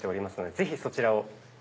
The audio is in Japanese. ぜひそちらを。